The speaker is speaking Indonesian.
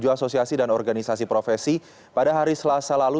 asosiasi dan organisasi profesi pada hari selasa lalu